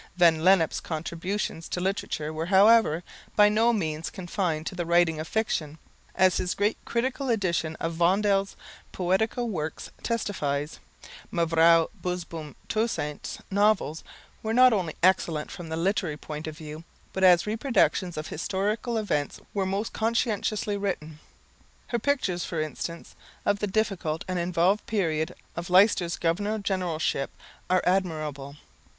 Van Lennep's contributions to literature were, however, by no means confined to the writing of fiction, as his great critical edition of Vondel's poetical works testifies. Mevrouw Bosboom Toussaint's novels were not only excellent from the literary point of view, but as reproductions of historical events were most conscientiously written. Her pictures, for instance, of the difficult and involved period of Leicester's governor generalship are admirable.